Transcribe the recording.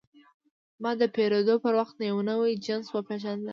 ما د پیرود پر وخت یو نوی جنس وپېژاند.